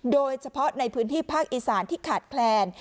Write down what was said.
โดยเฉพาะในพื้นที่ภาคอีสานที่ขาดแคลน